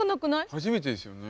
初めてですよね。